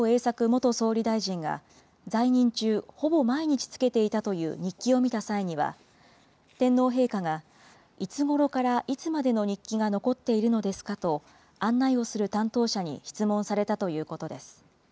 元総理大臣が、在任中、ほぼ毎日つけていたという日記を見た際には、天皇陛下が、いつごろからいつまでの日記が残っているのですかと、案内をする担当者に質問されたということです。